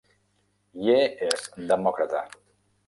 Yee és demòcrata.